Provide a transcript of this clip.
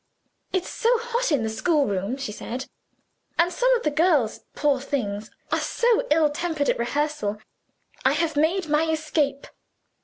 "It's so hot in the schoolroom," she said, "and some of the girls, poor things, are so ill tempered at rehearsal I have made my escape.